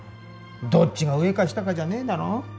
どっちが上か下かじゃねえだろう？